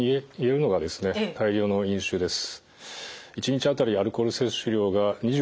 大量の飲酒です。